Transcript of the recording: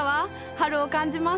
春を感じます。